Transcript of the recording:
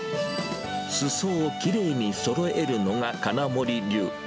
すそをきれいにそろえるのが金森流。